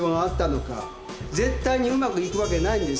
絶対にうまく行くわけないんですよ。